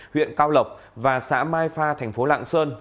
huyện cao lộc và xã mai pha tp lạng sơn